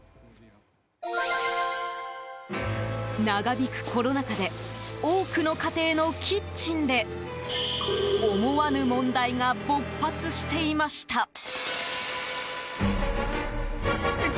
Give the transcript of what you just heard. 長引くコロナ禍で多くの家庭のキッチンで思わぬ問題が勃発していました。